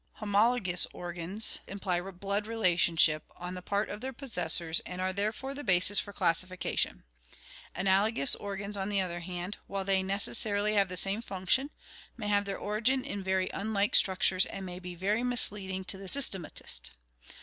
Homologous organs imply blood relationship on the part of their possessors and are therefore the basis for classification. Analogous organs, on the other hand, while they necessarily have the same function, may have their origin in very unlike structures and may be very misleading to the systematist.